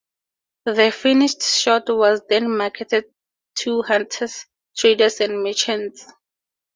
The finished shot was then marketed to hunters, traders and merchants.